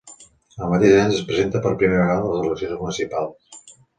El mateix any es presenta per primera vegada a les eleccions municipals.